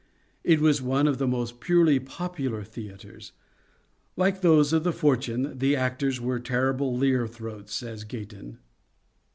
It was one of the most purely popular theatres. Like those of "The Fortune," the actors were terrible leer throats, says Gayton.